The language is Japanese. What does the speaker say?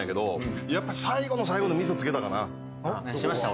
やっぱ最後の最後でみそつけたかな何してました？